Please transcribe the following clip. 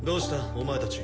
お前たち。